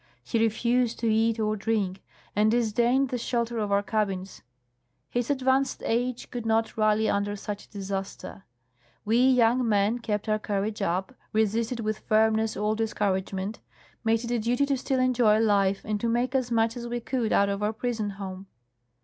He refused to eat or drink, and disdained the shelter of our cabins ; his advanced age could not rally under such a disaster. We young men kept our courage up, resisted with firmness all discouragement, made it a duty to still enjoy life and to make as much as we could out of our prison home.